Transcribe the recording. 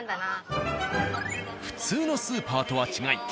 普通のスーパーとは違い